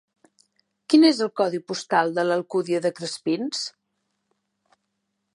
Quin és el codi postal de l'Alcúdia de Crespins?